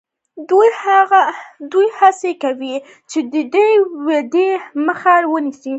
دوی هڅه کوي چې د دې ودې مخه ونیسي.